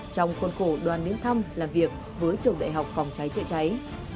trong khuôn khổ đoàn đến thăm làm việc với trường đại học phòng cháy chữa cháy